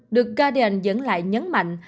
được guardian dẫn lại nhấn mạnh